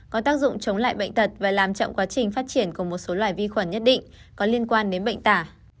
có tác dụng chống lại bệnh tật và làm chậm quá trình phát triển của một số loài vi khuẩn nhất định có liên quan đến bệnh tả